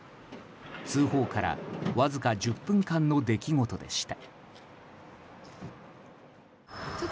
通報からわずか１０分間の出来事でした。